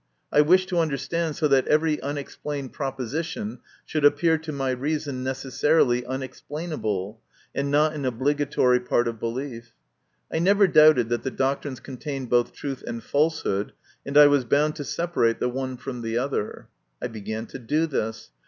I wished to understand so that every unex plained proposition should appear to my reason necessarily unexplainable, and not an obligatory part of belief. I never doubted that the doctrines contained both truth and falsehood, and I was bound to separate the one from the other. I began to do this.